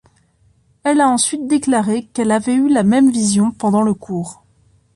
Elle a ensuite déclaré qu'elle avait eu la même vision pendant le cours.